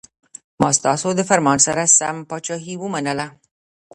ما ستاسو د فرمان سره سم پاچهي ومنله.